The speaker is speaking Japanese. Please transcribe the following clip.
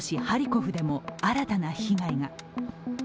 ハリコフでも新たな被害が。